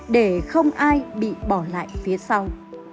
để không ai bị bỏ lại phía sau